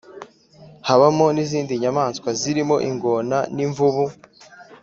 habamo n’izindi nyamaswa zirimo ingona, nimvubu,